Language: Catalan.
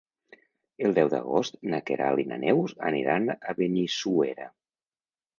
El deu d'agost na Queralt i na Neus aniran a Benissuera.